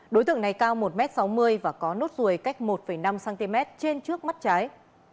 đối tượng này cao một m sáu mươi và có nốt ruồi cách một năm cm trên trước mắt trái